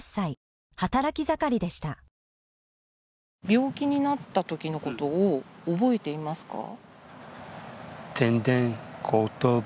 病気になったときのことを覚えていますか？